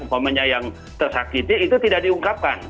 umpamanya yang tersakiti itu tidak diungkapkan